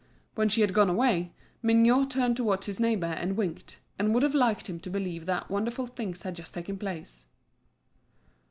When she had gone away, Mignot turned towards his neighbour and winked, and would have liked him to believe that wonderful things had just taken place.